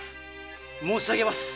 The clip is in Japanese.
申し上げます。